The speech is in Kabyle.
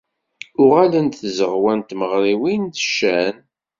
Uɣalent tzeɣwa n tmeɣriwin d ccan.